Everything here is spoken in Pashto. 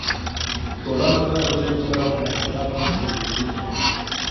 ټولنه تل د ژبې سره په ارتباط کې څېړل کېږي.